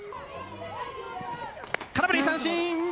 空振り三振！